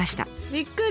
びっくり！